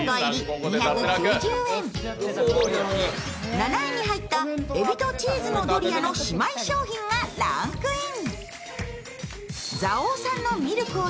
７位に入ったえびとチーズのドリアの姉妹商品がランクイン。